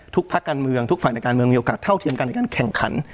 ภาคการเมืองทุกฝ่ายในการเมืองมีโอกาสเท่าเทียมกันในการแข่งขัน